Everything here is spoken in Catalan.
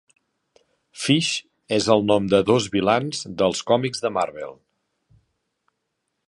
Fish és el nom de dos vilans dels còmics de Marvel.